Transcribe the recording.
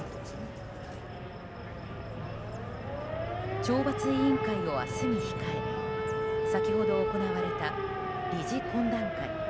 懲罰委員会を明日に控え先ほど行われた理事懇談会。